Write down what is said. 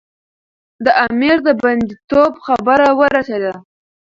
د امیر د بندي توب خبره ورسېده.